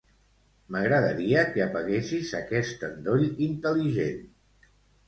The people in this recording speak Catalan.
M'agradaria que apaguessis aquest endoll intel·ligent.